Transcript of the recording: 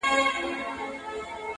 په ژوندینه راته سپي ویل باداره،